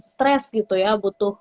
stress gitu ya butuh